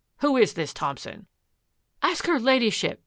Who is this Thompson? "" Ask her Ladyship